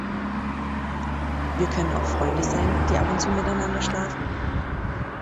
Wir können auch Freunde sein, die ab und zu miteinander schlafen.